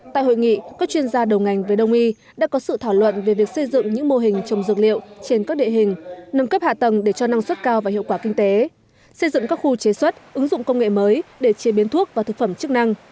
tại hội nghị các chuyên gia đầu ngành với đông y đã có sự thảo luận về việc xây dựng những mô hình trồng dược liệu trên các địa hình nâng cấp hạ tầng để cho năng suất cao và hiệu quả kinh tế xây dựng các khu chế xuất ứng dụng công nghệ mới để chế biến thuốc và thực phẩm chức năng